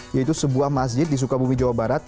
yaitu sebuah masjid di sukabumi jawa barat